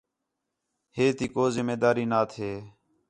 ہے تی کُو ذِمہ داری نا تھے